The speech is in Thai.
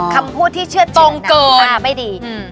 คำพูดที่เชื่อเจ๋งตรงเกินไม่ดีอืม